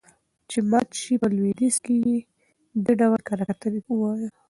چې مات شي. په لويديځ کې يې دې ډول کره کتنې ته ووايه.